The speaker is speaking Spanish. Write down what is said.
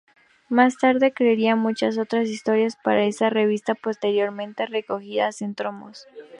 Más tarde crearía muchas otras historias para esa revista y, posteriormente recogidas en tomos.